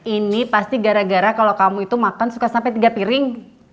ini pasti gara gara kalau kamu itu makan suka sampai tiga piring